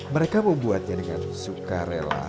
mereka membuatnya dengan sukarela